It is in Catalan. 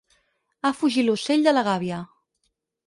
Ha fugit l'ocell de la gàbia.